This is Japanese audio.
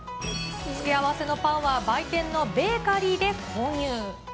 付け合わせのパンは、売店のベーカリーで購入。